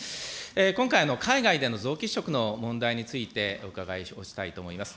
今回、海外での臓器移植の問題について、お伺いをしたいと思います。